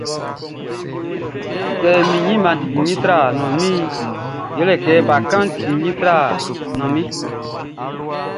Sɛ min ɲinmaʼn ti kpinngbinʼn, i boʼn yɛle kɛ n ti kpinngbin, afin bakanʼn ti kpinngbin tra nanninʼn.